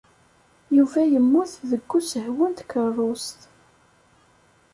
Yuba yemmut deg usehwu n tkeṛṛust.